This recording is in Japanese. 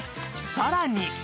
さらに